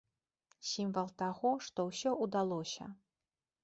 Сімвал таго, што ўсё ўдалося.